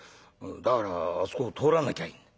「だからあそこを通らなきゃいいんだ」。